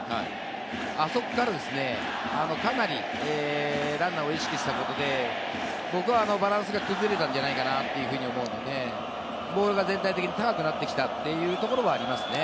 あそこからですね、かなりランナーを意識したことで、僕はバランスが崩れたんじゃないかなというふうに思うので、ボールが全体的に高くなってきたというところはありますね。